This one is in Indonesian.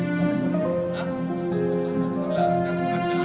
kan ada bnp nya